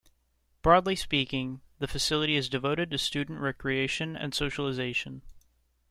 Broadly speaking, the facility is devoted to student recreation and socialization.